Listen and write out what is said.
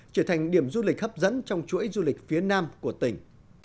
trở thành điểm du lịch hấp dẫn trong chuỗi du lịch phía nam của tỉnh